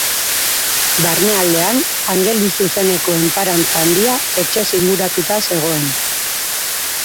Barnealdean angeluzuzeneko enparantza handia etxez inguratuta zegoen.